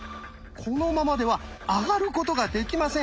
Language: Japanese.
このままではあがることができません。